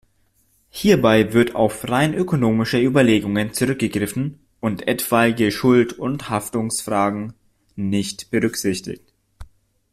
Hierbei wird auf rein ökonomische Überlegungen zurückgegriffen und etwaige Schuld- und Haftungsfragen nicht berücksichtigt.